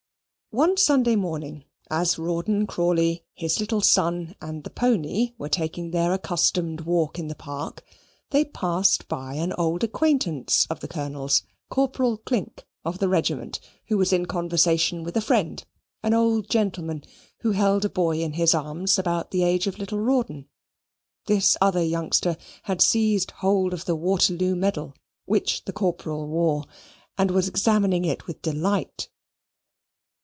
One Sunday morning, as Rawdon Crawley, his little son, and the pony were taking their accustomed walk in the park, they passed by an old acquaintance of the Colonel's, Corporal Clink, of the regiment, who was in conversation with a friend, an old gentleman, who held a boy in his arms about the age of little Rawdon. This other youngster had seized hold of the Waterloo medal which the Corporal wore, and was examining it with delight.